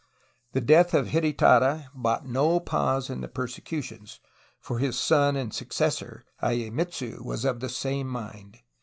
The death of Hidetada brought no pause in the persecutions, for his son and suc cessor, lyemitsu, was of the same mind.